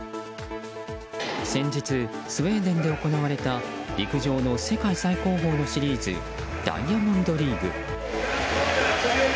先日、スウェーデンで行われた陸上の世界最高峰のシリーズダイヤモンドリーグ。